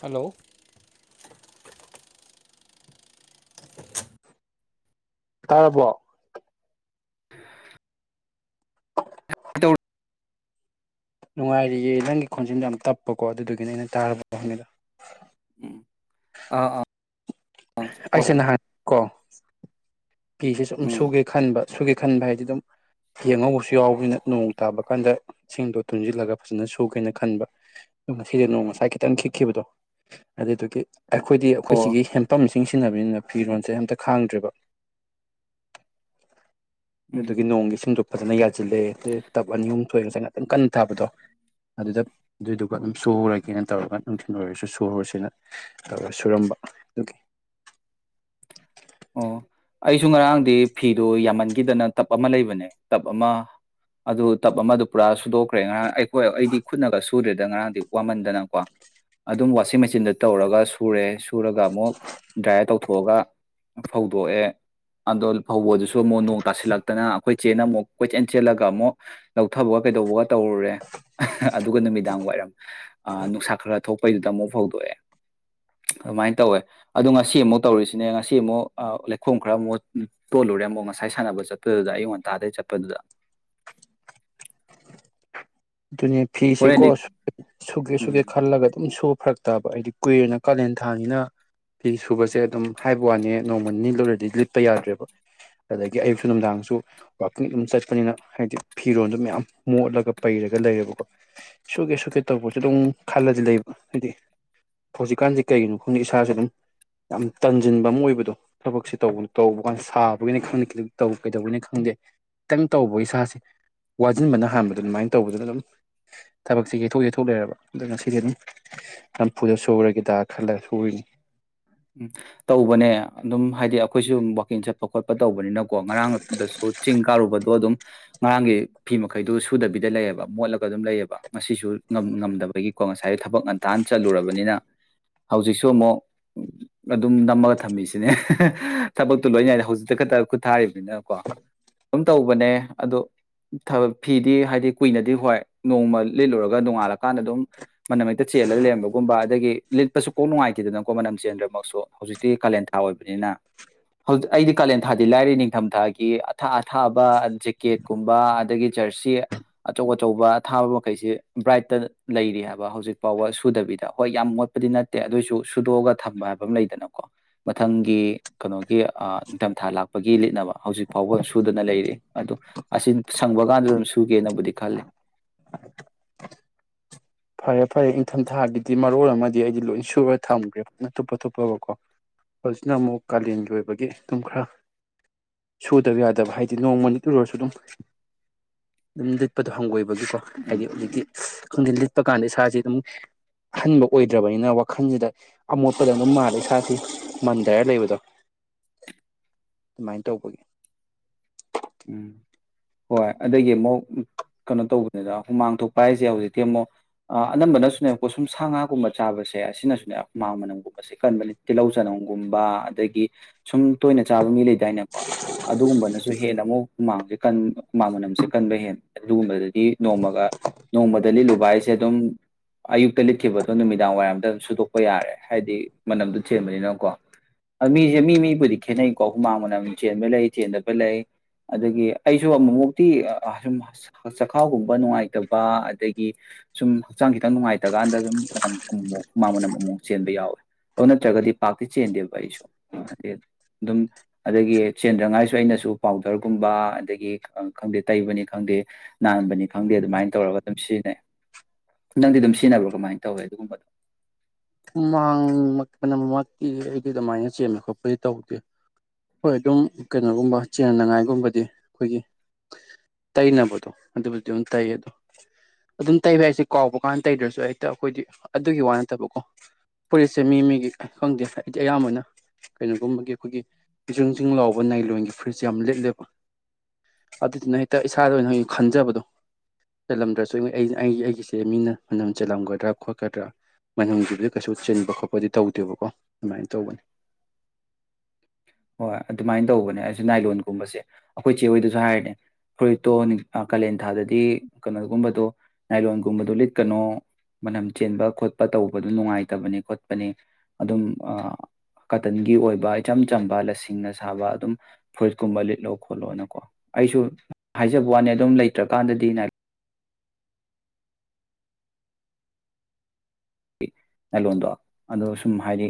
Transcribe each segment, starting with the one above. Hello ꯑꯣ ꯇꯥꯔꯕꯣ [unintelligible] ꯇ [unintelligible] ꯅꯨꯡꯉꯥꯏꯔꯤꯌꯦ ꯅꯪꯒꯤ ꯈꯣꯟꯆꯦꯜꯗ ꯌꯥꯝ ꯇꯞꯄꯀꯣ ꯑꯗꯨꯗꯨꯒꯤꯅꯦ ꯑꯩꯅ ꯇꯥꯔꯕ ꯍꯪꯏꯗꯣ ꯎꯝ ꯑꯥ ꯑꯥ ꯑ ꯍ ꯑꯩꯁꯦ ꯅꯍꯥꯟ ꯀꯣ ꯐꯤꯁꯦ ꯁꯨꯝ ꯎꯝ ꯁꯨꯒꯦ ꯈꯟꯕ ꯁꯨꯒꯦ ꯈꯟꯕ ꯍꯥꯏꯗꯤ ꯑꯗꯨꯝ ꯌꯦꯡꯉꯧꯕꯁꯨ ꯌꯥꯎꯕꯅꯤꯅ ꯅꯣꯡ ꯇꯥꯕ ꯀꯥꯟꯗ ꯏꯁꯤꯡꯗꯣ ꯇꯨꯝꯁꯤꯜꯂꯒ ꯐꯖꯅ ꯁꯨꯒꯦꯅ ꯈꯟꯕ ꯉꯁꯤꯁꯦ ꯅꯣꯡ ꯉꯁꯥꯏ ꯈꯤꯇꯪ ꯈꯤꯛꯈꯤꯕꯗꯣ ꯑꯗꯨꯗꯨꯗꯒꯤ ꯑꯩꯈꯣꯏꯗꯤ ꯑꯩꯈꯣꯏ ꯁꯤꯒꯤ ꯍꯦꯟꯄꯝꯁꯤꯡ ꯁꯤꯖꯤꯟꯅꯕꯅꯤꯅ ꯐꯤꯔꯣꯜꯁꯦ ꯑꯝꯇ ꯈꯥꯡꯗ꯭ꯔꯦꯕ ꯎꯝ ꯑꯗꯨꯗꯒꯤ ꯅꯣꯡꯒꯤ ꯏꯁꯤꯡꯗ ꯐꯖꯅ ꯌꯥꯁꯤꯜꯂꯦ ꯇꯞ ꯑꯅꯤ ꯑꯍꯨꯝ ꯊꯣꯛꯏ ꯉꯁꯥꯏ ꯉꯥꯛꯇꯪ ꯀꯟꯅ ꯊꯥꯕꯗꯣ ꯑꯗꯨꯗ ꯑꯗꯨꯏꯗꯨꯒ ꯑꯗꯨꯝ ꯁꯨꯔꯒꯦꯅ ꯇꯧꯔꯒ ꯅꯨꯡꯊꯤꯟ ꯑꯣꯏꯔꯁꯨ ꯁꯨꯍꯧꯔꯁꯤꯅ ꯁꯨꯔꯝꯕ ꯑꯗꯨꯒꯤ ꯑꯣ ꯑꯩꯁꯨ ꯉꯔꯥꯡꯗꯤ ꯐꯤꯗꯨ ꯌꯥꯝꯃꯟꯈꯤꯗꯅ ꯇꯞ ꯑꯃ ꯂꯩꯕꯅꯦ ꯇꯞ ꯑꯃ ꯑꯗꯨ ꯇꯞ ꯑꯃꯗ ꯄꯨꯔꯥ ꯁꯨꯗꯣꯛꯈ꯭ꯔꯦ ꯉꯔꯥꯡ ꯑꯩ ꯍꯣꯏ ꯑꯩꯗꯤ ꯈꯨꯠꯅ ꯀ ꯁꯨꯗ꯭ꯔꯦꯗ ꯉꯔꯥꯡꯗꯤ ꯋꯥꯃꯟꯗꯅꯀꯣ ꯑꯗꯨꯝ ꯋꯥꯁꯤꯡ ꯃꯦꯆꯤꯟꯗ ꯇꯧꯔꯒ ꯁꯨꯔꯦ ꯁꯨꯔꯒ ꯑꯃꯨꯛ ꯗ꯭ꯔꯥꯏꯌꯔ ꯇꯧꯊꯣꯛꯑꯒ ꯐꯧꯗꯣꯛꯑꯦ ꯑꯗꯣ ꯐꯧꯕꯗꯨꯁꯨ ꯃꯨꯛ ꯅꯣꯡ ꯇꯥꯁꯤꯜꯂꯛꯇꯅ ꯑꯩꯈꯣꯏ ꯆꯦꯅ ꯑꯃꯨꯛ ꯀꯣꯏꯆꯦꯟ ꯆꯦꯜꯂꯒ ꯑꯃꯨꯛ ꯂꯧꯊꯕꯒ ꯀꯩꯗꯧꯕꯒ ꯇꯧꯔꯨꯔꯦ ꯑꯗꯨꯒ ꯅꯨꯃꯤꯗꯥꯡ ꯋꯥꯏꯔꯝ ꯑꯥ ꯅꯨꯡꯁꯥ ꯈꯔ ꯈꯔ ꯊꯣꯛꯄꯩꯗꯨꯗ ꯑꯃꯨꯛ ꯐꯧꯗꯣꯛꯑꯦ ꯑꯗꯨꯃꯥꯏꯅ ꯇꯧꯋꯦ ꯑꯗꯣ ꯉꯁꯤ ꯑꯃꯨꯛ ꯇꯧꯔꯤꯁꯤꯅꯦ ꯉꯁꯤ ꯑꯃꯨꯛ ꯑꯥꯎ ꯂꯩꯈꯣꯝ ꯈꯔ ꯑꯃꯨꯛ ꯇꯣꯜꯂꯨꯔꯦ ꯑꯃꯨꯛ ꯉꯁꯥꯏ ꯁꯥꯟꯅꯕ ꯆꯠꯄꯗꯨꯗ ꯑꯩꯌ ꯉꯟꯇꯥꯗꯩ ꯆꯠꯄꯗꯨꯗ ꯑꯗꯨꯅꯦ ꯐꯤꯁꯦꯀꯣ ꯍꯣꯔꯦꯟꯗꯤ ꯁꯨꯒꯦ ꯎꯝ ꯁꯨꯒꯦ ꯈꯜꯂꯒ ꯑꯗꯨꯝ ꯁꯨ ꯐꯔꯛ ꯇꯥꯕ ꯍꯥꯏꯗꯤ ꯀꯨꯏꯔꯦꯅ ꯀꯥꯂꯦꯟ ꯊꯥꯡꯅꯤꯅ ꯐꯤ ꯁꯨꯕꯁꯦ ꯑꯗꯨꯝ ꯍꯥꯏꯕ ꯋꯥꯅꯦ ꯅꯣꯡꯃ ꯅꯤꯅꯤ ꯂꯤꯠꯂꯨꯔꯗꯤ ꯂꯤꯠꯄ ꯌꯥꯗ꯭ꯔꯦꯕ ꯑꯗꯒꯤ ꯑꯌꯨꯛꯁꯨ ꯅꯨꯡꯗꯥꯡꯁꯨ ꯋꯀꯤꯡ ꯑꯗꯨꯝ ꯆꯠꯄꯅꯤꯅ ꯍꯥꯏꯗꯤ ꯐꯤꯔꯣꯟꯗꯣ ꯃꯌꯥꯝ ꯃꯣꯠꯂꯒ ꯄꯩꯔꯒ ꯂꯩꯌꯦꯕꯀꯣ ꯁꯨꯒꯦ ꯁꯨꯒꯦ ꯇꯧꯕꯁꯨ ꯑꯗꯨꯝ ꯈꯜꯂꯗꯤ ꯂꯩꯕ ꯍꯥꯏꯗꯤ ꯍꯧꯖꯤꯛꯀꯥꯟꯁꯦ ꯀꯩꯒꯤꯅꯣ ꯈꯪꯗꯦ ꯏꯁꯥꯁꯦ ꯑꯗꯨꯝ ꯌꯥꯝ ꯇꯟꯖꯤꯟꯕ ꯑꯃ ꯑꯣꯏꯕꯗꯣ ꯊꯕꯛꯁꯦ ꯇꯧ ꯇꯧꯕ ꯀꯥꯟ ꯁꯥꯕꯒꯤꯅꯤ ꯈꯪꯗꯦ ꯀꯩꯗꯧꯕꯒꯤꯅꯦ ꯈꯪꯗꯦ ꯈꯤꯇꯪ ꯇꯧꯕꯒꯤ ꯏꯁꯥꯁꯦ ꯋꯥꯖꯤꯟꯕꯅ ꯍꯥꯟꯕꯗ ꯑꯗꯨꯃꯥꯏꯅ ꯇꯧꯕꯗꯨꯅ ꯑꯗꯨꯝ ꯊꯕꯛꯁꯦ ꯌꯩꯊꯣꯛ ꯌꯩꯊꯣꯛ ꯂꯩꯔꯕ ꯑꯗ ꯉꯁꯤꯗꯤ ꯑꯗꯨꯝ ꯅꯝꯐꯨꯗ ꯁꯨꯔꯒꯦꯗ ꯈꯜꯂꯒ ꯁꯨꯔꯤꯅꯤ ꯎꯝ ꯇꯧꯕꯅꯦ ꯑꯗꯨꯝ ꯍꯥꯏꯗꯤ ꯑꯩꯈꯣꯏꯁꯨ ꯋꯥꯛꯀꯤꯡ ꯆꯠꯄ ꯈꯣꯠꯄ ꯇꯧꯕꯅꯤꯅꯀꯣ ꯉꯔꯥꯡꯗꯁꯨ ꯆꯤꯡ ꯀꯥꯔꯨꯕꯗꯣ ꯑꯗꯨꯝ ꯉꯔꯥꯡꯒꯤ ꯐꯤ ꯃꯈꯩꯗꯨ ꯁꯨꯗꯕꯤꯗ ꯂꯩꯌꯦꯕ ꯃꯣꯠꯂꯒ ꯑꯗꯨꯝ ꯂꯩꯌꯦꯕ ꯉꯁꯤꯁꯨ ꯉꯝꯗꯕꯒꯤꯀꯣ ꯉꯁꯥꯏ ꯊꯕꯛ ꯉꯟꯊꯅ ꯆꯠꯂꯨꯔꯕꯅꯤꯅ ꯍꯧꯖꯤꯛꯁꯨ ꯑꯃꯨꯛ ꯑꯗꯨꯝ ꯅꯝꯃꯒ ꯊꯝꯃꯤꯁꯤꯅꯦ ꯊꯕꯛꯇꯨ ꯂꯣꯏꯅꯥꯏꯗ ꯍꯧꯖꯤꯛꯇ ꯈꯛꯇ ꯈꯨꯠ ꯊꯥꯔꯤꯕꯅꯤꯅꯀꯣ ꯑꯗꯨꯝ ꯇꯧꯕꯅꯦ ꯑꯗꯣ ꯐꯤꯗꯤ ꯍꯥꯏꯗꯤ ꯀꯨꯏꯅꯗꯤ ꯍꯣꯏ ꯅꯣꯡꯃ ꯂꯤꯠꯂꯨꯔꯒ ꯅꯣꯡꯉꯥꯜꯂꯀꯥꯟꯗ ꯑꯗꯨꯝ ꯃꯅꯝ ꯍꯦꯛꯇ ꯆꯦꯜꯂꯒ ꯂꯩꯔꯝꯕꯒꯨꯝꯕ ꯑꯗꯒꯤ ꯂꯤꯠꯄꯁꯨ ꯀꯣꯛ ꯅꯨꯡꯉꯥꯏ ꯇꯦꯗꯅ ꯀꯣ ꯃꯅꯝꯆꯦꯟꯗ꯭ꯔꯃꯛꯁꯨ ꯍꯧꯖꯤꯛꯇꯤ ꯀꯥꯂꯦꯟꯊꯥ ꯑꯣꯏꯕꯅꯤꯅ ꯍꯧꯖꯤꯛ ꯑꯩꯗꯤ ꯀꯥꯂꯦꯟꯊꯥꯗꯤ ꯂꯥꯏꯔꯤ ꯅꯤꯡꯊꯝꯊꯥꯒꯤ ꯑꯊꯥ ꯑꯊꯥꯕ ꯖꯦꯛꯀꯦꯠꯀꯨꯝꯕ ꯑꯗꯒꯤ ꯖꯔꯁꯤ ꯑꯆꯧ ꯑꯆꯧꯕ ꯑꯊꯥꯕ ꯃꯈꯩꯁꯤ ꯕ꯭ꯔꯥꯏꯠꯇ ꯂꯩꯔꯤ ꯍꯥꯏꯕ ꯍꯧꯖꯤꯛ ꯐꯥꯎꯕ ꯁꯨꯗꯕꯤꯗ ꯍꯣꯏ ꯌꯥꯝ ꯃꯣꯠꯄꯗꯤ ꯅꯠꯇꯦ ꯑꯗꯨꯏꯁꯨ ꯁꯨꯗꯣꯛꯑꯒ ꯊꯝꯕ ꯍꯥꯏꯕ ꯑꯃ ꯂꯩꯗꯅꯀꯣ ꯃꯊꯪꯒꯤ ꯀꯩꯅꯣꯒꯤ ꯅꯤꯡꯊꯝꯊꯥ ꯂꯥꯛꯄꯒꯤ ꯂꯤꯠꯅꯕ ꯍꯧꯖꯤꯛ ꯐꯥꯎꯕ ꯁꯨꯗꯅ ꯂꯩꯔꯤ ꯑꯗꯣ ꯑꯁꯤ ꯁꯪꯕ ꯀꯥꯟꯗ ꯑꯗꯨꯝ ꯁꯨꯒꯦꯅꯕꯨꯗꯤ ꯈꯜꯂꯤ ꯐꯔꯦ ꯐꯔꯦ ꯏꯪꯊꯝꯊꯥꯒꯤꯗꯤ ꯃꯔꯣꯜ ꯑꯃꯗꯤ ꯑꯩꯗꯤ ꯂꯣꯏ ꯁꯨꯔ ꯊꯝꯈ꯭ꯔꯦ ꯐꯖꯅ ꯊꯨꯞꯄ ꯊꯨꯞꯄꯒꯀꯣ ꯍꯧꯖꯤꯛꯅ ꯑꯃꯨꯛ ꯀꯥꯂꯦꯟꯒꯤ ꯑꯣꯏꯕꯒꯤ ꯑꯗꯨꯝ ꯈꯔ ꯁꯨꯗꯕ ꯌꯥꯗꯕ ꯍꯥꯏꯗꯤ ꯅꯣꯡꯃ ꯂꯤꯠꯂꯨꯔꯁꯨ ꯑꯗꯨꯝ ꯑꯗꯨꯝ ꯂꯤꯠꯄꯗꯣ ꯍꯪꯒꯣꯏꯕ ꯕꯒꯤꯀꯣ ꯎꯝ ꯍꯥꯏꯗꯤ ꯍꯧꯖꯤꯛꯇꯤ ꯈꯪꯗꯦ ꯂꯤꯠ ꯄ ꯀꯥꯟꯗ ꯏꯁꯥꯁꯤ ꯑꯗꯨꯝ ꯑꯍꯟꯕ ꯑꯣꯏꯗ꯭ꯔꯕꯅꯤꯅ ꯋꯥꯈꯜꯁꯤꯗ ꯑꯃꯣꯠꯄꯗ ꯑꯗꯨꯝ ꯃꯥꯜꯂꯦ ꯏꯁꯥꯁꯤ ꯃꯟꯗꯥꯔ ꯂꯩꯕꯗꯣ ꯑꯗꯨꯃꯥꯏꯅ ꯇꯧꯕꯒꯤ ꯎꯝ ꯍꯣꯏ ꯑꯗꯒꯤ ꯑꯃꯨꯛ ꯀꯩꯅꯣ ꯇꯧꯕꯅꯤꯗ ꯍꯨꯃꯥꯡ ꯊꯣꯛꯄ ꯍꯥꯏꯁꯦ ꯍꯧꯖꯤꯛꯇꯤ ꯑꯃꯨꯛ ꯑꯅꯝꯕꯅꯁꯨꯅꯦꯕꯀꯣ ꯁꯨꯝ ꯁꯥ ꯉꯥꯒꯨꯝꯕ ꯆꯥꯕꯁꯦ ꯑꯁꯤꯅꯁꯨꯅꯦ ꯍꯨꯃꯥꯡ ꯃꯅꯝꯒꯨꯝꯕꯁꯦ ꯀꯟꯕꯅꯦ ꯇꯤꯜꯍꯧ ꯆꯅꯝꯒꯨꯝꯕ ꯑꯗꯒꯤ ꯁꯨꯝ ꯇꯣꯏꯅ ꯆꯥꯕ ꯃꯤ ꯂꯩꯗꯥꯏꯅꯦꯀꯣ ꯑꯗꯨꯒꯨꯝꯕꯅꯁꯨ ꯍꯦꯟꯅ ꯑꯃꯨꯛ ꯍꯨꯃꯥꯡꯁꯦ ꯀꯟ ꯍꯨꯃꯥꯡ ꯃꯅꯝꯁꯦ ꯀꯟꯕ ꯍꯦꯟ ꯑꯗꯨꯒꯨꯝꯕꯗꯗꯤ ꯅꯣꯡꯃꯒ ꯅꯣꯡꯃꯗ ꯂꯤꯠꯂꯨꯕ ꯍꯥꯏꯁꯦ ꯑꯗꯨꯝ ꯑꯌꯨꯛꯇ ꯂꯤꯠꯈꯤꯕꯗꯣ ꯅꯨꯃꯤꯗꯥꯡ ꯋꯥꯏꯔꯝꯗ ꯑꯗꯨꯝ ꯁꯨꯗꯣꯛꯄ ꯌꯥꯔꯦ ꯍꯥꯏꯗꯤ ꯃꯅꯝꯗꯨ ꯆꯦꯟꯕꯅꯤꯅꯀꯣ ꯃꯤꯁꯦ ꯃꯤ ꯃꯤꯕꯨꯗꯤ ꯈꯦꯠꯅꯩꯀꯣ ꯍꯨꯃꯥꯡ ꯃꯅꯝ ꯆꯦꯟꯕ ꯂꯩ ꯆꯦꯟꯗꯕ ꯂꯩ ꯑꯗꯒꯤ ꯑꯩꯁꯨ ꯑꯃꯨꯃꯨꯛꯇꯤ ꯁꯨꯝ ꯆꯈꯥꯎꯒꯨꯝꯕ ꯅꯨꯡꯉꯥꯏꯇꯕ ꯑꯗꯒꯤ ꯁꯨꯝ ꯍꯛꯆꯥꯡ ꯈꯤꯇꯪ ꯅꯨꯡꯉꯥꯏꯇꯀꯥꯟꯗ ꯁꯨꯝ ꯃꯅꯝ ꯑꯃꯨꯃꯨꯛ ꯍꯨꯃꯥꯡ ꯃꯅꯝ ꯑꯃꯨꯛ ꯆꯦꯟꯕ ꯌꯥꯎꯋꯦ ꯑꯗꯨ ꯅꯠꯇ꯭ꯔꯒꯗꯤ ꯄꯥꯛꯇꯤ ꯆꯦꯟꯗꯦꯕ ꯑꯩꯁꯨ ꯑ ꯑꯗꯨꯝ ꯑꯗꯒꯤ ꯆꯦꯟꯗ꯭ꯔꯉꯥꯏꯁꯨ ꯑꯩꯅꯁꯨ ꯄꯥꯎꯗꯔꯒꯨꯝꯕ ꯑꯗꯒꯤ ꯈꯪꯗꯦ ꯇꯩꯕꯅꯤ ꯈꯪꯗꯦ ꯅꯥꯟꯕꯅꯤ ꯈꯪꯗꯦ ꯑꯗꯨꯃꯥꯏꯅ ꯇꯧꯔꯒ ꯑꯗꯨꯝ ꯁꯤꯖꯤꯟꯅꯩ ꯅꯪꯗꯤ ꯑꯗꯨꯝ ꯁꯤꯖꯤꯟꯅꯕ꯭ꯔꯣ ꯀꯃꯥꯏꯅ ꯇꯧꯋꯦ ꯑꯗꯨꯒꯨꯝꯕꯗꯣ ꯍꯨꯃꯥꯡꯄꯃꯛꯇꯤ ꯑꯩꯗꯤ ꯑꯗꯨꯃꯥꯏꯅ ꯆꯦꯟꯕꯩ ꯈꯣꯠꯄꯗꯤ ꯇꯧꯗꯦ ꯍꯣꯏ ꯑꯗꯨꯝ ꯀꯩꯅꯣꯒꯨꯝꯕ ꯆꯦꯟꯅ ꯉꯥꯏꯒꯨꯝꯕꯗꯤ ꯑꯩꯈꯣꯏꯒꯤ ꯇꯩꯅꯕꯗꯣ ꯑꯗꯨꯕꯨꯗꯤ ꯑꯗꯨꯝ ꯇꯩ ꯑꯗꯣ ꯑꯗꯨꯝ ꯇꯩꯕ ꯍꯥꯏꯁꯦ ꯀꯥꯎꯕ ꯀꯥꯟꯗ ꯇꯩꯗ꯭ꯔꯁꯨ ꯍꯦꯛꯇ ꯑꯩꯈꯣꯏꯗꯤ ꯑꯗꯨꯒꯤ ꯋꯥ ꯅꯠꯇꯕꯀꯣ ꯐꯨꯔꯤꯠꯁꯦ ꯃꯤ ꯃꯤꯒꯤ ꯈꯪꯗꯦ ꯑꯩꯗꯤ ꯑꯌꯥꯝꯕꯅ ꯀꯩꯅꯣꯒꯨꯝꯕꯒꯤ ꯑꯩꯈꯣꯏꯒꯤ ꯖꯤꯡ ꯖꯤꯡ ꯂꯥꯎꯕ ꯅꯥꯏ ꯂꯣꯟꯒꯤ ꯐꯨꯔꯤꯠꯁꯦ ꯌꯥꯝ ꯂꯤꯠꯂꯦꯕ ꯑꯗꯨꯗꯨꯅ ꯍꯦꯛꯇ ꯏꯁꯥꯗ ꯑꯣꯏꯅ ꯈꯟꯖꯕꯗꯣ ꯆꯜꯂꯝꯗ꯭ꯔꯁꯨ ꯑꯩꯒꯤ ꯑꯩꯒꯤꯁꯦ ꯃꯤꯅ ꯃꯅꯝ ꯆꯜꯂꯝꯒꯗ꯭ꯔꯥ ꯈꯣꯠꯀꯗ꯭ꯔꯥ ꯃꯅꯝ ꯒꯤꯕꯨꯗꯤ ꯀꯩꯁꯨ ꯆꯤꯟꯕ ꯈꯣꯠꯄꯗꯤ ꯇꯧꯗꯦꯕꯀꯣ ꯑꯗꯨꯃꯥꯏ ꯇꯧꯕꯅꯤ꯫ ꯍꯣꯏ ꯑꯗꯨꯃꯥꯏꯅ ꯇꯧꯕꯅꯦ ꯑꯩꯖꯨ ꯅꯥꯏꯂꯣꯟꯒꯨꯝꯕꯁꯦ ꯑꯩꯈꯣꯏ ꯆꯦ ꯍꯣꯏꯗꯁꯨ ꯍꯥꯏꯔꯤꯅꯦ ꯐꯨꯔꯤꯠꯇꯣ ꯅꯤꯡ ꯀꯥꯂꯦꯟꯊꯥꯗꯗꯤ ꯀꯩꯅꯣꯒꯨꯝꯕꯗꯣ ꯅꯥꯏꯂꯣꯟꯒꯨꯝꯕꯗꯣ ꯂꯤꯠꯀꯅꯣ ꯃꯅꯝ ꯆꯦꯟꯕ ꯈꯣꯠꯄ ꯇꯧꯕꯗꯣ ꯅꯨꯡꯉꯥꯏꯇꯕꯅꯤ ꯈꯣꯠꯄꯅꯤ ꯑꯗꯨꯝ ꯑ ꯀꯇꯟꯒꯤ ꯑꯣꯏꯕ ꯏꯆꯝ ꯆꯝ ꯆꯝꯕ ꯂꯁꯤꯡꯅ ꯁꯥꯕ ꯑꯗꯨꯝ ꯐꯨꯔꯤꯠꯀꯨꯝꯕ ꯂꯤꯠꯂꯣ ꯈꯣꯠꯂꯣꯅꯀꯣ ꯑꯩꯁꯨ ꯍꯥꯏꯖꯕ ꯋꯥꯅꯤ ꯑꯗꯨꯝ ꯂꯩꯇ꯭ꯔꯀꯥꯟꯗꯗꯤ ꯅꯥꯏ ꯅꯥꯏꯂꯣꯟꯗꯣ ꯑꯗꯣ ꯁꯨꯝ ꯍꯥꯏꯗꯤ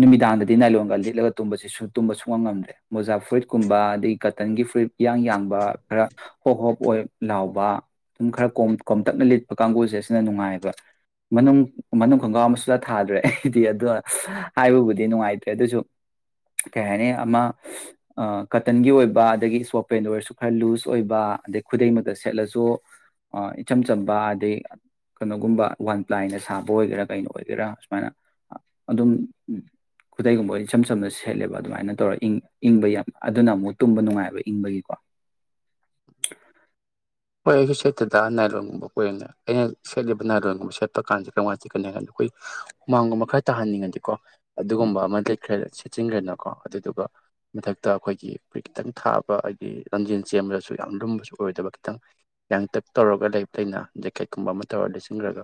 ꯅꯨꯃꯤꯗꯥꯡꯗꯗꯤ ꯅꯥꯏꯂꯣꯟꯒ ꯂꯤꯠꯂꯒ ꯇꯨꯝꯕꯁꯤꯁꯨ ꯇꯨꯝꯕ ꯁꯨꯉꯝ ꯉꯝꯗ꯭ꯔꯦ ꯃꯣꯖꯥ ꯐꯨꯔꯤꯠꯀꯨꯝꯕ ꯑꯗꯗꯒꯤ ꯀꯇꯟꯒꯤ ꯐꯨꯔꯤꯏꯠ ꯏꯌꯥꯡ ꯌꯥꯡꯕ ꯈꯔ ꯍꯣꯞ ꯍꯣꯞ ꯑꯣꯏ ꯂꯥꯎꯕ ꯑꯗꯨꯝ ꯈꯔ ꯀꯣꯝ ꯀꯣꯝꯇꯛꯅ ꯂꯤꯠꯄ ꯀꯥꯡꯕꯨꯖꯦ ꯑꯁꯤꯅ ꯅꯨꯡꯉꯥꯏꯕ ꯃꯅꯨꯡ ꯃꯅꯨꯡ ꯈꯣꯡꯒ꯭ꯔꯥꯎ ꯑꯃ ꯁꯨꯊꯥ ꯊꯥꯗ꯭ꯔꯦ ꯑꯩꯗꯤ ꯑꯗꯣ ꯍꯥꯏꯕꯕꯨꯗꯤ ꯅꯨꯡꯉꯥꯏꯇ꯭ꯔꯦ ꯑꯗꯨꯑꯣꯏꯁꯨ ꯀꯩ ꯍꯥꯏꯅꯤ ꯑꯃ ꯀꯇꯟꯒꯤ ꯑꯣꯏꯕ ꯑꯗꯒꯤ ꯏꯁꯄꯣꯠꯄꯦꯟꯗ ꯑꯣꯏꯁꯨ ꯈꯔ ꯂꯨꯖ ꯑꯣꯏꯕ ꯑꯗꯩ ꯈꯨꯗꯩꯃꯛꯇ ꯁꯦꯠꯂꯖꯨ ꯏꯆꯝ ꯆꯝꯕ ꯑꯗꯩ ꯀꯩꯅꯣꯒꯨꯝꯕ ꯋꯥꯟ ꯄ꯭ꯂꯥꯏꯅ ꯁꯥꯕ ꯕꯣꯑꯣꯏꯒꯦꯔꯥ ꯀꯩꯅ ꯑꯣꯏꯒꯦꯔꯥ ꯁꯨꯃꯥꯏꯅ ꯑꯗꯨꯝ ꯈꯨꯗꯩꯒꯨꯝꯕ ꯏꯆꯝ ꯆꯝꯅ ꯁꯦꯠꯂꯦꯕ ꯑꯗꯨꯃꯥꯏꯅ ꯇꯧꯔ ꯏꯪꯕ ꯌꯥꯝ ꯑꯗꯨꯅ ꯑꯃꯨꯛ ꯇꯨꯝꯕ ꯅꯨꯡꯉꯥꯏꯕ ꯏꯪꯕꯒꯤꯀꯣ꯫ ꯍꯣꯏ ꯑꯗꯨ ꯁꯦꯠꯇ‌ꯦꯗ ꯅꯥꯏꯂꯣꯟꯒꯨꯝꯕ ꯀꯣꯏꯔꯦꯅ ꯑꯩꯅ ꯁꯦꯠꯂꯤꯕ ꯅꯥꯏꯂꯣꯟꯒꯨꯝꯕ ꯁꯦꯠꯄ ꯀꯥꯟꯗ ꯀꯔꯝꯀꯥꯟ ꯆꯦꯠꯀꯅꯤ ꯍꯥꯏꯀꯥꯟꯗ ꯑꯩꯈꯣꯏ ꯍꯨꯃꯥꯡꯒꯨꯝꯕ ꯈꯔ ꯇꯥꯍꯟꯅꯤꯡꯉꯗꯤꯀꯣ ꯎꯝ ꯑꯗꯨꯒꯨꯝꯕ ꯑꯃ ꯂꯤꯠꯈ꯭ꯔ‌ꯦ ꯆꯤꯡꯒꯅꯀꯣ ꯑꯗꯨꯗꯨꯒ ꯃꯊꯛꯇ ꯑꯩꯈꯣꯏꯒꯤ ꯈꯤꯇꯪ ꯊꯥꯕ ꯍꯥꯏꯗꯤ ꯂꯝꯖꯦꯟ ꯆꯦꯟꯕꯗꯁꯨ ꯌꯥꯝ ꯂꯨꯝꯕꯁꯨ ꯑꯣꯏꯗꯕ ꯈꯤꯇꯪ ꯌꯥꯡꯇꯛ ꯇꯧꯔꯒ ꯂꯩ ꯐꯩꯅ ꯖꯦꯀꯦꯠꯀꯨꯝꯕ ꯑꯃ ꯇꯧꯔꯒ ꯂꯩꯁꯤꯟꯈ꯭ꯔꯒ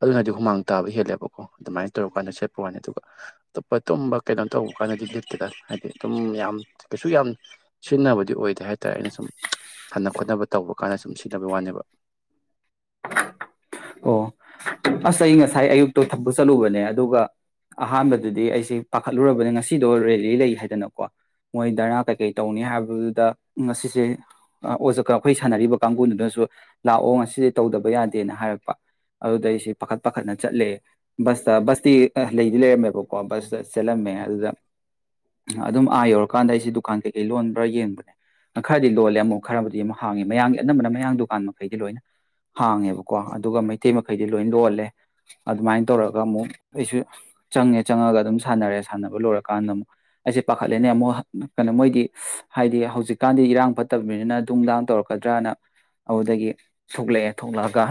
ꯑꯗꯨꯅꯗꯤ ꯍꯨꯃꯥꯡ ꯇꯥꯕ ꯍꯦꯜꯂꯦꯕꯀꯣ ꯑꯗꯨꯃꯥꯏꯅ ꯇꯧꯔ ꯀꯥꯟꯗ ꯁꯦꯠꯄ ꯋꯥꯅꯤ ꯑꯗꯨꯒ ꯑꯇꯣꯞꯄ ꯇꯨꯝꯕ ꯀꯩꯅꯣ ꯇꯧꯕ ꯀꯥꯟꯗꯗꯤ ꯂꯤꯠꯇꯦꯗ ꯍꯥꯏꯗꯤ ꯑꯗꯨꯝ ꯌꯥꯝ ꯀꯩꯁꯨ ꯌꯥꯝ ꯁꯤꯖꯤꯟꯅꯕꯗꯤ ꯑꯣꯏꯗꯦ ꯍꯥꯏꯇꯥꯔꯦ ꯑꯩꯅ ꯁꯨꯝ ꯁꯥꯟꯅ ꯈꯣꯠꯅꯕ ꯇꯧꯕ ꯀꯥꯟꯗ ꯁꯨꯝ ꯁꯤꯗꯕꯩ ꯋꯥꯅꯦꯕ꯫ ꯑꯣ ꯑꯁ ꯑꯩ ꯉꯁꯥꯏ ꯑꯌꯨꯛꯇꯣ ꯊꯄ ꯆꯠꯂꯨꯕꯅꯦ ꯑꯗꯨꯒ ꯑꯍꯥꯟꯕꯗꯗꯤ ꯑꯩꯖꯦ ꯄꯥꯈꯠꯂꯨꯔꯕꯅꯤ ꯉꯁꯤꯗꯣ ꯔꯦꯂꯤ ꯂꯩ ꯍꯥꯏꯗꯅꯀꯣ ꯃꯣꯏ ꯙꯔꯅꯥ ꯀꯩꯀꯩ ꯇꯧꯅꯤ ꯍꯥꯏꯕꯗꯨꯗ ꯉꯁꯤꯁꯦ ꯑꯣꯖ ꯑꯩꯈꯣꯏ ꯁꯥꯟꯅꯔꯤꯕ ꯀꯥꯡꯒꯗꯨꯅꯖꯨ ꯂꯥꯛꯑꯣ ꯉꯁꯤꯗꯤ ꯇꯧꯗꯕ ꯌꯥꯗꯦꯅ ꯍꯥꯏꯔꯛꯄ ꯑꯗꯨꯗ ꯑꯩꯁꯦ ꯄꯥꯈꯠ ꯄꯥꯈꯠꯅ ꯆꯠꯂꯦ ꯕꯁꯇ ꯕꯁꯇꯤ ꯂꯩꯗꯤ ꯂꯩꯔꯝꯃꯦꯕꯀꯣ ꯕꯁꯇ ꯆꯠꯂꯝꯃꯦ ꯑꯗꯨꯗ ꯑꯗꯨꯝ ꯑꯥ ꯌꯧꯔꯀꯥꯟꯗ ꯑꯩꯁꯦ ꯗꯨꯀꯥꯟ ꯀꯩꯀꯩ ꯂꯣꯟꯕ꯭ꯔꯥ ꯌꯦꯡꯕꯅꯦ ꯈꯔꯗꯤ ꯂꯣꯜꯂꯦ ꯑꯃꯨꯛ ꯈꯔꯕꯨꯗꯤ ꯑꯃꯨꯛ ꯍꯥꯡꯉꯦ ꯃꯌꯥꯝꯡꯒꯤ ꯑꯅꯝꯕꯅ ꯃꯌꯥꯡ ꯗꯨꯀꯥꯟ ꯃꯈꯩꯗꯤ ꯂꯣꯏꯅ ꯍꯥꯡꯉꯦꯕꯀꯣ ꯑꯗꯨꯒ ꯃꯩꯇꯩ ꯃꯈꯩꯗꯤ ꯂꯣꯏ ꯂꯣꯜꯂꯦ ꯑꯗꯨꯃꯥꯏꯅ ꯇꯧꯔꯒ ꯑꯃꯨꯛ ꯑꯩꯁꯨ ꯆꯪꯉꯦ ꯆꯪꯉꯒ ꯑꯗꯨꯝ ꯁꯥꯟꯅꯔꯦ ꯁꯥꯟꯅꯕ ꯂꯣꯏꯔꯀꯥꯟꯗ ꯑꯃꯨꯛ ꯑꯩꯁꯦ ꯄꯥꯈꯠꯂꯦꯅꯦ ꯑꯃꯨꯛ ꯀꯩꯅꯣ ꯃꯣꯏꯒꯤ ꯍꯥꯏꯗꯤ ꯍꯧꯖꯤꯛꯀꯥꯟꯗꯤ ꯏꯔꯥꯡ ꯐꯠꯇꯕꯅꯤꯅ ꯅꯨꯡꯗꯥꯡ ꯇꯧꯔꯛꯀꯗ꯭ꯔꯅ ꯑꯗꯨꯗꯒꯤ ꯊꯣꯛꯂꯛꯑꯦ ꯊꯣꯛꯂꯛꯑꯒ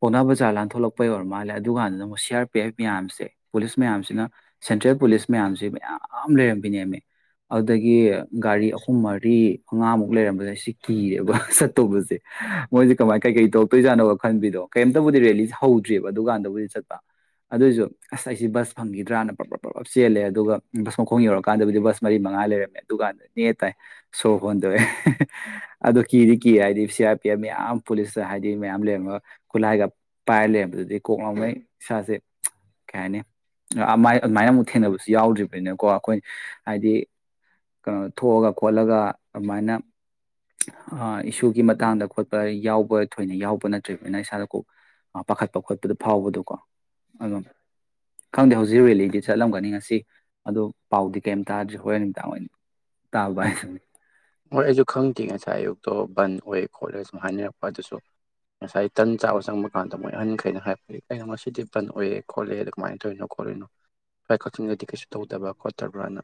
ꯄꯥꯎꯅꯥ ꯕꯖꯥꯔ ꯂꯥꯟꯊꯣꯂꯛꯄꯩ ꯑꯣꯏꯔ ꯃꯥꯜꯂꯦ ꯑꯗꯨ ꯀꯥꯟꯗꯨꯅ ꯑꯃꯨꯛ ꯁꯤ ꯑꯥꯔ ꯄꯤ ꯑꯦꯐ ꯃꯌꯥꯝꯁꯦ ꯄꯨꯂꯤꯁ ꯃꯌꯥꯝꯁꯤꯅ ꯁꯦꯟꯇ꯭ꯔꯦꯜ ꯄꯨꯂꯤꯁ ꯃꯌꯥꯝꯁꯦ ꯃꯌꯥꯝ ꯂꯩꯔꯝꯕꯤꯅꯦꯃꯤ ꯑꯗꯨꯗꯒꯤ ꯒꯥꯔꯤ ꯑꯍꯨꯝ ꯃꯔꯤ ꯃꯉꯥꯃꯨꯛ ꯂꯩꯔꯝꯕꯁꯦ ꯁꯤ ꯀꯤꯔꯦꯕ ꯆꯠꯇꯧꯕꯖꯦ ꯃꯣꯏꯁꯦ ꯀꯃꯥꯏ ꯀꯩꯀꯩ ꯇꯧꯔꯛꯇꯣꯏꯖꯥꯠꯅꯣ ꯈꯟꯕꯤꯗꯣ ꯀꯔꯤꯝꯇꯕꯨꯗꯤ ꯔꯦꯂꯤ ꯍꯧꯗ꯭ꯔꯤꯕ ꯑꯗꯨꯀꯥꯟꯗꯕꯨꯗꯤ ꯆꯠꯄ ꯑꯗꯨꯏꯖꯨ ꯑꯁ ꯑꯩꯁꯦ ꯕꯁ ꯐꯪꯈꯤꯗ꯭ꯔꯅ ꯄ꯭ꯔꯞ ꯄ꯭ꯔꯞ ꯆꯦꯜꯂꯦ ꯑꯗꯨꯒ ꯕꯁ ꯃꯈꯣꯡ ꯌꯧꯔꯀꯥꯟꯗꯕꯨꯗꯤ ꯕꯁ ꯃꯔꯤ ꯃꯉꯥ ꯂꯩꯔꯝꯃꯦ ꯑꯗꯨꯀꯥꯟꯗ ꯅꯦ ꯇꯥꯏ ꯁꯣꯔ ꯍꯣꯟꯗꯣꯛꯑꯦ ꯑꯗꯣ ꯀꯤꯗꯤ ꯀꯤ ꯍꯥꯏꯗꯤ ꯁꯤ ꯑꯥꯔ ꯄꯤ ꯑꯦꯐ ꯃꯌꯥꯝ ꯄꯨꯂꯤꯁ ꯍꯥꯏꯗꯤ ꯃꯌꯥꯝ ꯂꯩꯔꯝꯃꯒ ꯈꯨꯠꯂꯥꯏꯒ ꯄꯥꯏꯔ ꯂꯩꯔꯝꯕꯗꯨꯗꯤ ꯀꯣꯛ ꯉꯥꯎꯉꯩ ꯏꯁꯥꯁꯦ ꯀꯩ ꯍꯥꯏꯅꯤ ꯑꯃꯥꯏ ꯑꯗꯨꯃꯥꯏꯅ ꯑꯃꯨꯛ ꯊꯦꯡꯅꯕꯁꯨ ꯌꯥꯎꯗ꯭ꯔꯤꯕꯅꯤꯅꯀꯣ ꯑꯩꯈꯣꯏ ꯍꯥꯏꯗꯤ ꯀꯅꯣ ꯊꯣꯛꯑꯒ ꯈꯣꯠꯂꯒ ꯑꯗꯨꯃꯥꯏꯅ ꯑ ꯏꯁꯨꯒꯤ ꯃꯇꯥꯡꯗ ꯈꯣꯠꯄ ꯌꯥꯎꯕ ꯊꯣꯏꯅ ꯌꯥꯎꯕ ꯅꯠꯇ꯭ꯔꯤ ꯑꯗꯨꯅ ꯏꯁꯥꯗ ꯀꯣꯛ ꯄꯥꯈꯠꯄ ꯈꯣꯠꯄꯗ ꯐꯥꯎꯕꯗꯣꯀꯣ ꯑꯗꯨꯝ ꯈꯪꯗꯦ ꯍꯧꯖꯤꯛ ꯔꯦꯂꯤꯗꯤ ꯆꯠꯂꯝꯒꯅꯤ ꯉꯁꯤ ꯑꯗꯣ ꯄꯥꯎꯗꯤ ꯀꯩꯝ ꯇꯥꯗ꯭ꯔꯤ ꯍꯣꯔꯦꯟ ꯃꯤꯗꯥꯡ ꯑꯣꯏꯅ ꯇꯥꯕ [unintelligible] ꯍꯣꯏ ꯑꯩꯖꯨ ꯈꯪꯗꯦ ꯉꯁꯥꯏ ꯑꯌꯨꯛꯇꯣ ꯕꯟ ꯑꯣꯏ ꯈꯣꯠꯂꯦ ꯁꯨꯝ ꯍꯥꯏꯅꯔꯛꯄ ꯑꯗꯨꯁꯨ ꯉꯁꯥꯏ ꯇꯟ ꯆꯥꯕ ꯆꯪꯕ ꯀꯥꯟꯗ ꯃꯣꯏ ꯑꯍꯟꯈꯩꯅ ꯍꯥꯏꯔꯛꯄꯗꯤ ꯀꯩꯅꯣ ꯉꯗꯤ ꯕꯟ ꯑꯣꯏꯌꯦ ꯈꯣꯠꯂꯦ ꯑꯗꯨꯀꯃꯥꯏ ꯇꯧꯔꯤꯅꯣ ꯈꯣꯠꯂꯤꯅꯣ ꯁ꯭ꯋꯥꯏ ꯀꯛꯆꯤꯡꯗꯗꯤ ꯀꯩꯁꯨ ꯇꯧꯗꯕ꯭ꯔꯥ ꯈꯣꯠꯇꯕ꯭ꯔꯅ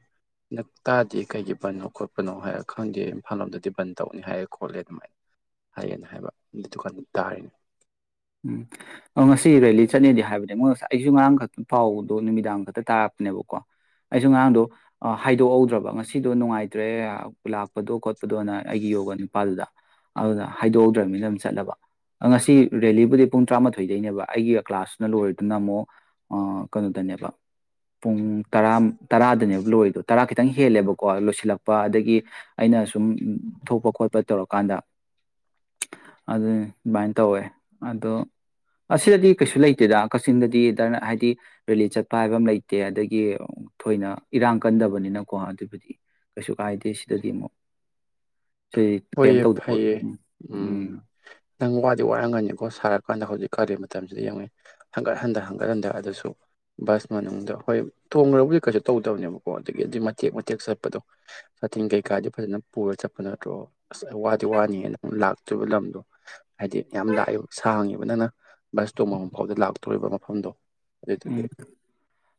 ꯅꯛ ꯇꯥꯗꯦ ꯀꯩꯒꯤ ꯕꯟꯅꯣ ꯈꯣꯠꯄꯅꯣ ꯍꯥꯏꯔꯛꯄ ꯈꯪꯗꯦ ꯏꯝꯐꯥꯜ ꯂꯣꯝꯗꯗꯤ ꯕꯟ ꯇꯧꯅꯤ ꯍꯥꯏꯌꯦ ꯈꯣꯠꯂꯦ ꯑꯗꯨꯃꯥꯏ ꯍꯥꯏꯌꯦꯅ ꯍꯥꯏꯕ ꯑꯗꯨ ꯀꯥꯟ ꯇꯥꯔꯤꯅꯤ꯫ ꯎꯝ ꯉꯁꯤ ꯔꯦꯂꯤ ꯆꯠꯅꯦꯗꯤ ꯍꯥꯏꯕꯅꯦ ꯃꯣꯏ ꯉꯁꯥꯏ ꯑꯩꯖꯨ ꯉꯔꯥꯡ ꯈꯛꯇ ꯄꯥꯎꯗꯣ ꯅꯨꯃꯤꯗꯥꯡ ꯈꯛꯇ ꯇꯥꯔꯛꯄꯅꯦꯕꯀꯣ ꯑꯩꯖꯨ ꯉꯔꯥꯡꯗꯣ ꯍꯥꯏꯗꯣꯛꯍꯧꯗ꯭ꯔꯕ ꯉꯁꯤꯗꯣ ꯅꯨꯡꯉꯥꯏꯇ꯭ꯔꯦ ꯂꯥꯛꯄꯗꯣ ꯈꯣꯠꯄꯗꯣꯅ ꯑꯩꯒꯤ ꯌꯣꯒ ꯅꯨꯄꯥꯗꯨꯗ ꯑꯗꯨꯅ ꯍꯥꯏꯗꯣꯛꯍꯧꯗ꯭ꯔꯕꯅꯤꯅ ꯑꯗꯨꯝ ꯆꯠꯂꯕ ꯑ ꯉꯁꯤ ꯔꯦꯂꯤꯕꯨꯗꯤ ꯄꯨꯡ ꯇꯔꯥꯃꯥꯊꯣꯏꯗꯩꯅꯦꯕ ꯑꯩꯒꯤ ꯀ꯭ꯂꯥꯁꯅ ꯂꯣꯏꯔꯗꯨꯅ ꯑꯃꯨꯛ ꯀꯩꯅꯣꯗꯅꯦꯕ ꯄꯨꯡ ꯇꯔꯥ ꯇꯔꯥꯗꯅꯦꯕ꯫ ꯂꯣꯏꯗꯣ ꯇꯔꯥ ꯈꯤꯇꯪ ꯍꯦꯜꯂꯦꯕꯀꯣ ꯂꯣꯏꯁꯤꯜꯂꯛꯄ ꯑꯗꯒꯤ ꯑꯩꯅ ꯁꯨꯝ ꯊꯣꯛꯄ ꯈꯣꯠꯄ ꯇꯧꯔꯀꯥꯟꯗ ꯑꯗꯨ ꯑꯗꯨꯃꯥꯏꯅ ꯇꯧꯋꯦ꯫ ꯑꯗꯣ ꯑꯁꯤꯗꯗꯤ ꯀꯩꯁꯨ ꯂꯩꯇꯦꯗ ꯀꯛꯆꯤꯡꯗꯗꯤ ꯗꯔ ꯍꯥꯏꯗꯤ ꯔꯦꯂꯤ ꯆꯠꯄ ꯍꯥꯏꯕ ꯑꯃ ꯂꯩꯇꯦ ꯑꯗꯒꯤ ꯊꯣꯏꯅ ꯏꯔꯥꯡ ꯀꯟꯗꯕꯅꯤꯅꯀꯣ ꯑꯗꯨꯕꯨꯗꯤ ꯀꯩꯁꯨ ꯀꯥꯏꯗꯦ ꯁꯤꯗꯗꯤ ꯑꯃꯨꯛ꯫ ꯁꯤ ꯀꯌꯤꯝ ꯍꯣꯏꯌꯦ ꯇꯧꯗꯕꯣ ꯐꯩꯌꯦ ꯎꯝ ꯎꯝ꯫ ꯅꯪ ꯋꯥꯗꯤ ꯋꯥꯔꯝꯒꯅꯤꯀꯣ ꯁꯥꯔꯛꯀꯥꯟꯗ ꯍꯧꯖꯤꯛ ꯀꯥꯜꯂꯤ ꯃꯇꯝꯁꯤꯗ ꯌꯦꯡꯉꯣꯅꯦ ꯍꯟꯒꯠ ꯍꯟꯗ ꯍꯟꯒꯠ ꯍꯟꯗ ꯑꯗꯨꯁꯨ ꯕꯁ ꯃꯅꯨꯡꯗ ꯍꯣꯏ ꯊꯣꯡꯒ꯭ꯔꯕꯨꯗꯤ ꯀꯩꯁꯨ ꯇꯧꯗꯕꯅꯦꯕꯀꯣ ꯑꯗꯒꯤ ꯑꯗꯨꯏ ꯃꯇꯦꯛ ꯃꯇꯦꯛ ꯆꯠꯄꯗꯣ ꯁꯥꯥꯇꯤꯟ ꯀꯩꯀꯥꯗꯤ ꯐꯖꯅ ꯄꯨꯔ ꯆꯠꯄ ꯅꯠꯇ꯭ꯔꯣ꯫ ꯑꯁ ꯋꯥꯗꯤ ꯋꯥꯅꯤꯌꯦ ꯅꯪ ꯂꯥꯛꯇ꯭ꯔꯤꯕ ꯂꯝꯗꯣ ꯍꯥꯏꯗꯤ ꯌꯥꯝ ꯂꯥꯛꯏꯕ ꯁꯥꯡꯉꯦꯕ ꯅꯪꯅ ꯕꯁ ꯇꯣꯡꯕ ꯐꯥꯎꯗ ꯂꯥꯛꯇꯣꯔꯤꯕ ꯃꯐꯝꯗꯣ꯫ ꯑꯗꯨꯗꯨꯒꯤ ꯎꯝ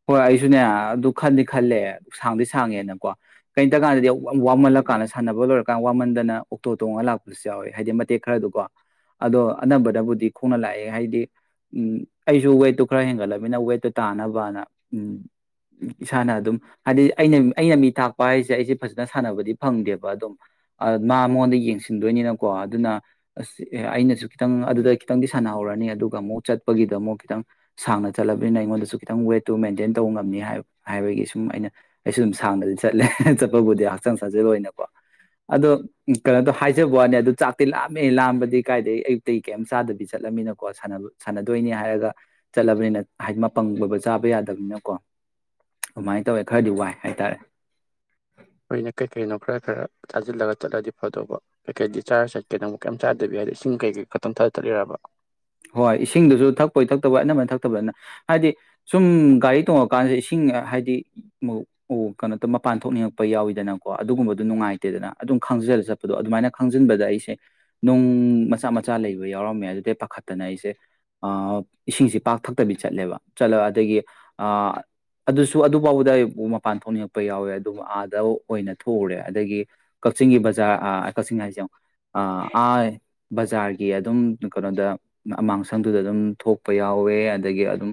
ꯍꯣꯏ ꯑꯩꯖꯨꯅꯦ ꯑꯗꯨ ꯈꯟꯗꯤ ꯈꯜꯂꯦ꯫ ꯁꯥꯡꯗꯤ ꯁꯥꯡꯉꯦꯅꯀꯣ ꯀꯔꯤꯝꯇ ꯀꯥꯟꯅꯗꯦ ꯋꯥꯃꯜꯂ ꯀꯥꯟꯗ ꯁꯥꯟꯅꯕ ꯂꯣꯏꯔꯀꯥꯟꯗ ꯋꯥꯃꯟꯗꯅ ꯑꯣꯛꯇꯣ ꯇꯣꯡꯉꯒ ꯂꯥꯛꯄꯁꯨ ꯌꯥꯎꯋꯦ ꯍꯥꯏꯗꯤ ꯃꯇꯦꯛ ꯈꯔꯗꯀꯣ ꯑꯗꯣ ꯑꯅꯝꯕꯅꯕꯨꯗꯤ ꯈꯣꯡꯅ ꯂꯥꯛꯑꯦ ꯍꯥꯏꯗꯤ ꯎꯝ ꯑꯩꯖꯨ ꯋꯦꯠꯇꯨ ꯈꯔ ꯍꯦꯟꯒꯠꯂꯒ ꯑꯣꯏꯅ ꯋꯦꯠꯇ ꯇꯥꯅꯕꯅ ꯎꯝ ꯏꯁꯥꯅ ꯑꯗꯨꯝ ꯍꯥꯏꯗꯤ ꯑꯩꯅ ꯑꯩꯅ ꯃꯤ ꯇꯥꯛꯄ ꯍꯥꯏꯖꯦ ꯑꯩꯖꯦ ꯐꯖꯅ ꯁꯥꯟꯅꯕꯗꯤ ꯐꯪꯗꯦꯕ ꯑꯗꯨꯝ ꯃꯥ ꯃꯉꯣꯟꯗ ꯌꯦꯡꯁꯤꯟꯗꯣꯏꯅꯤꯅꯀꯣ ꯑꯗꯨꯅ ꯑꯁ ꯑꯩꯅꯖꯨ ꯈꯤꯇꯪ ꯑꯗꯨꯗ ꯈꯤꯇꯪꯗꯤ ꯁꯥꯟꯅꯍꯧꯔꯅꯤ ꯑꯗꯨꯒ ꯑꯃꯨꯛ ꯆꯠꯄꯒꯤꯗ ꯑꯃꯨꯛ ꯈꯤꯇꯪ ꯁꯥꯡꯅ ꯆꯠꯂꯕꯅꯤꯅ ꯑꯩꯉꯣꯟꯗꯁꯨ ꯈꯤꯇꯪ ꯋꯦꯠꯇꯨ ꯃꯦꯟꯇꯦꯟ ꯇꯧꯕ ꯉꯝꯅꯤ ꯍꯥꯏ ꯍꯥꯏꯕꯒꯤ ꯁꯨꯝ ꯑꯩꯅ ꯑꯩꯁꯨ ꯑꯗꯨꯝ ꯁꯥꯡꯅꯗꯤ ꯆꯠꯂꯦ ꯆꯠꯄꯕꯨꯗꯤ ꯍꯛꯆꯥꯡ ꯁꯥꯖꯦꯜꯑꯣꯏꯅꯀꯣ ꯑꯗꯣ ꯀꯩꯅꯣꯗꯣ ꯍꯥꯏꯖꯕ ꯋꯥꯅꯦ ꯑꯗꯨ ꯆꯥꯛꯇꯤ ꯂꯥꯝꯃꯦ ꯂꯥꯝꯕꯗꯤ ꯀꯥꯏꯗꯒꯤ ꯑꯌꯨꯛꯇꯩ ꯀꯩꯝ ꯆꯥꯗꯕꯤ ꯆꯠꯂꯃꯤꯅꯀꯣ ꯁꯥꯟꯅꯕ ꯁꯥꯟꯅꯗꯣꯏꯅꯤ ꯍꯥꯏꯔꯒ ꯆꯠꯂꯕꯅꯤꯅ ꯍꯥꯏꯗꯤ ꯃꯄꯪꯒꯣꯏꯕ ꯆꯥꯕ ꯌꯥꯗꯕꯅꯤꯅꯀꯣ ꯑꯗꯨꯃꯥꯏꯅ ꯇꯧꯋꯦ ꯈꯔꯗꯤ ꯋꯥꯏ ꯍꯥꯏꯇꯥꯔꯦ꯫ ꯍꯣꯏꯅ ꯀꯩꯀꯩꯅꯣ ꯈꯔ ꯈꯔ ꯆꯥꯖꯤꯜꯂꯒ ꯆꯠꯂꯗꯤ ꯐꯗꯧꯕ ꯀꯩꯀꯩꯗꯤ ꯆꯥꯔ ꯆꯥꯠꯀꯦ ꯅꯪꯕꯣ ꯀꯌꯤꯝ ꯆꯥꯗꯕꯤ ꯍꯥꯏꯗꯣ ꯏꯁꯤꯡ ꯀꯩꯀꯩ ꯈꯛꯇꯪ ꯊꯛꯑ ꯆꯠꯂꯤꯔꯕ꯫ ꯍꯣꯏ ꯏꯁꯤꯡꯗꯨꯖꯨ ꯊꯛꯄꯣꯏ ꯊꯛꯇꯕꯣꯏ ꯑꯅꯝꯕꯅ ꯊꯛꯇꯕ ꯅꯝ ꯍꯥꯏꯗꯤ ꯁꯨꯝ ꯒꯥꯔꯤ ꯇꯣꯡꯉꯀꯥꯟꯖꯦ ꯏꯁꯤꯡ ꯍꯥꯏꯗꯤ ꯃꯧ ꯑꯨ ꯀꯩꯅꯣ ꯃꯄꯥꯟ ꯊꯣꯛꯅꯤꯡꯉꯛꯄ ꯌꯥꯎꯋꯤꯗꯅꯀꯣ ꯑꯗꯨꯒꯨꯝꯕꯗꯨ ꯅꯨꯡꯉꯥꯏꯇꯦꯗꯅ ꯑꯗꯨꯝ ꯈꯪꯖꯤꯂ ꯆꯠꯄꯗꯣ ꯑꯗꯨꯃꯥꯏꯅ ꯈꯪꯖꯟꯕꯗ ꯑꯩꯁꯦ ꯅꯨꯡ ꯃꯆꯥ ꯃꯆꯥ ꯂꯩꯕ ꯌꯥꯎꯔꯝꯃꯦ ꯑꯗꯨꯗꯩ ꯄꯥꯈꯠ ꯇꯅ ꯑꯩꯖꯦ ꯑ ꯏꯁꯤꯡꯁꯤ ꯄꯥꯛ ꯊꯛꯇꯕꯤ ꯆꯠꯂꯦꯕ ꯆꯠꯂ ꯑꯗꯒꯤ ꯑꯗꯨꯁꯨ ꯑꯗꯨꯐꯥꯎꯕꯗ ꯑꯩꯕꯨ ꯃꯄꯥꯟ ꯊꯣꯛꯅꯤꯡꯉꯛꯄ ꯌꯥꯎꯋꯦ ꯑꯗꯨꯝ ꯑꯥꯗ ꯑꯣꯏꯅ ꯊꯣꯛꯎꯔꯦ ꯑꯗꯒꯤ ꯀꯛꯆꯤꯡꯒꯤ ꯕꯖꯥꯔ ꯀꯛꯆꯤꯡ ꯍꯥꯏꯁꯦꯌꯦꯡꯉꯨ ꯑꯥ ꯕꯖꯥꯔꯒꯤ ꯑꯗꯨꯝ ꯀꯅꯣꯗ ꯑꯃꯥꯡꯁꯪꯗꯨꯗ ꯑꯗꯨꯝ ꯊꯣꯛꯄ ꯌꯥꯎꯋꯦ ꯑꯗꯒꯤ ꯑꯗꯨꯝ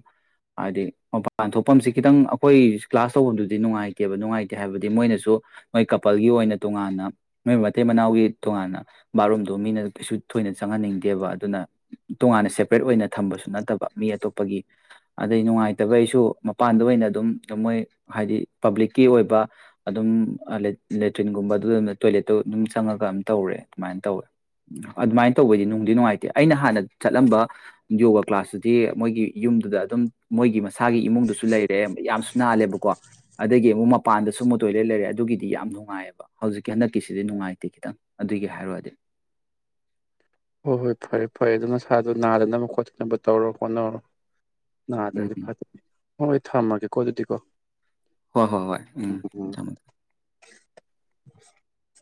ꯍꯥꯏꯗꯤ ꯃꯄꯥꯟ ꯊꯣꯛꯐꯝꯁꯤ ꯈꯤꯇꯪ ꯑꯩꯈꯣꯏ ꯀ꯭ꯂꯥꯁ ꯇꯧꯕꯝꯗꯨꯗꯤ ꯅꯨꯡꯉꯥꯏꯇꯦꯕ ꯅꯨꯡꯉꯥꯏꯇꯦ ꯍꯥꯏꯕꯗꯤ ꯃꯣꯏꯅꯁꯨ ꯃꯣꯏ ꯀꯄꯜꯒꯤ ꯑꯣꯏꯅ ꯇꯣꯉꯥꯟꯅ ꯃꯣꯏ ꯃꯇꯩ ꯃꯅꯥꯎꯒꯤ ꯇꯣꯉꯥꯟꯅ ꯕꯥꯠꯔꯨꯝꯗꯣ ꯃꯤꯅ ꯀꯩꯁꯨ ꯊꯣꯏꯅ ꯆꯪꯍꯟꯅꯤꯡꯗꯦꯕ ꯑꯗꯨꯅ ꯇꯣꯉꯥꯟꯅ ꯁꯦꯄꯔꯦꯠ ꯑꯣꯏꯅ ꯊꯝꯕꯁꯨ ꯅꯠꯇꯕ ꯃꯤ ꯑꯇꯣꯞꯄꯒꯤ ꯑꯗꯩ ꯅꯨꯡꯉꯥꯏꯇꯕ ꯑꯩꯁꯨ ꯃꯄꯥꯟꯗ ꯑꯣꯏꯅ ꯑꯗꯨꯝ ꯃꯣꯏ ꯍꯥꯏꯗꯤ ꯄꯕ꯭ꯂꯤꯛꯀꯤ ꯑꯣꯏꯕ ꯑꯗꯨꯝ ꯂꯦꯇ꯭ꯔꯤꯟꯒꯨꯝꯕ ꯑꯗꯨꯅ ꯇꯣꯏꯂꯦꯠꯇꯣ ꯑꯗꯨꯝ ꯆꯪꯉꯒ ꯑꯗꯨꯝ ꯇꯧꯔꯦ ꯑꯗꯨꯃꯥꯏꯅ ꯇꯧꯋꯦ ꯑꯗꯨꯃꯥꯏꯅ ꯇꯧꯕꯩꯗꯤ ꯅꯨꯡꯗꯤ ꯅꯨꯡꯉꯥꯏꯇꯦ ꯑꯩꯅ ꯍꯥꯟꯅ ꯆꯠꯂꯝꯕ ꯌꯣꯒꯥ ꯀ꯭ꯂꯥꯁꯇꯨꯗꯤ ꯃꯣꯏꯒꯤ ꯌꯨꯝꯗꯨꯗ ꯑꯗꯨꯝ ꯃꯣꯏꯒꯤ ꯃꯁꯥꯒꯤ ꯏꯃꯨꯡꯗꯨꯁꯨ ꯂꯩꯔꯦ ꯌꯥꯝꯁꯨ ꯅꯥꯜꯂꯦꯕꯀꯣ ꯑꯗꯒꯤ ꯑꯃꯨꯛ ꯃꯄꯥꯟꯗꯁꯨ ꯁꯨꯝꯕ ꯇꯣꯏꯂꯦꯠ ꯂꯩꯔꯦ ꯑꯗꯨꯒꯤꯗꯤ ꯌꯥꯝ ꯅꯨꯡꯉꯥꯏꯑꯕ ꯍꯧꯖꯤꯛꯀꯤ ꯍꯟꯗꯛꯀꯤꯁꯤꯗꯤ ꯅꯨꯡꯉꯥꯏꯇꯦ ꯈꯤꯇꯪ ꯑꯗꯨꯒꯤ ꯍꯥꯏꯔꯣꯗꯤ꯫ ꯍꯣꯏ ꯍꯣꯏ ꯐꯔꯦ ꯐꯔꯦ ꯑꯗꯨ ꯅꯁꯥꯥꯗꯣ ꯅꯥꯗꯅꯕ ꯈꯣꯠꯇꯅꯕ ꯇꯧꯔꯣ ꯍꯣꯠꯅꯔꯣ꯫ ꯎꯝ ꯅꯥꯗ꯭ꯔꯗꯤ ꯐꯠꯇꯦ ꯍꯣꯏ ꯍꯣꯏ ꯊꯝꯃꯒꯦꯀꯣ ꯑꯗꯨꯗꯤ [unintelligible] ꯍꯣꯏ ꯍꯣꯏ ꯍꯣꯏ ꯎꯝ ꯊꯝꯃꯦ ꯊꯝꯃꯦ꯫ [inaudible]